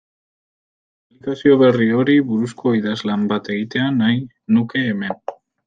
Aplikazio berri horri buruzko idazlan bat egitea nahi nuke hemen.